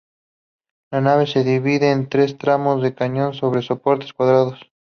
La nave se divide en tres tramos de cañón sobre soportes cuadrados.